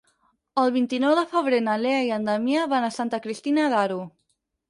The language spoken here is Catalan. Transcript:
El vint-i-nou de febrer na Lea i en Damià van a Santa Cristina d'Aro.